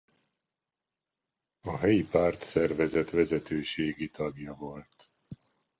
A helyi pártszervezet vezetőségi tagja volt.